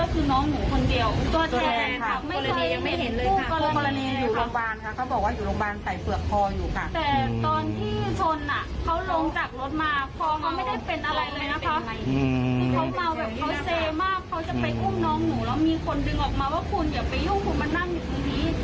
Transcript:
คนดึงออกมาว่าคุณอย่าไปยุ่งคุณมานั่งอยู่ตรงนี้